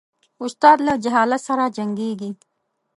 استاد له جهالت سره جنګیږي.